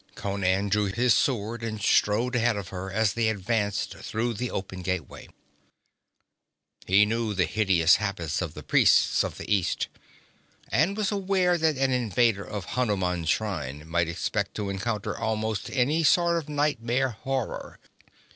Conan drew his sword and strode ahead of her as they advanced through the open gateway. He knew the hideous habits of the priests of the East, and was aware that an invader of Hanuman's shrine might expect to encounter almost any sort of nightmare horror.